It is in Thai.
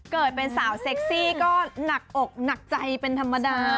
เกิดเป็นสาวเซ็กซี่ก็หนักอกหนักใจเป็นธรรมดา